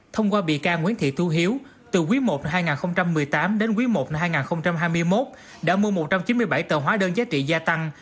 thông qua bị can nguyễn thị thu hiếu từ quý i hai nghìn một mươi tám đến quý i hai nghìn hai mươi một đã mua một trăm chín mươi bảy tờ hóa đơn giá trị gia tăng